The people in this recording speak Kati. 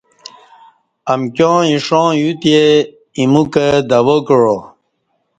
امکیا ایشاں یوتہ ایمو کں دوا کعا